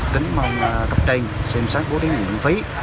tính mong cấp tranh xem sát vô tính nguyện phí